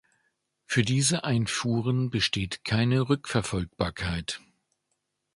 Für diese Einfuhren besteht keine Rückverfolgbarkeit.